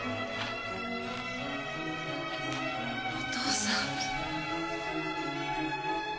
お父さん。